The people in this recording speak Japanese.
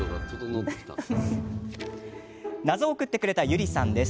謎を送ってくれた、ゆりさんです。